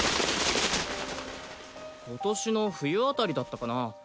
今年の冬あたりだったかな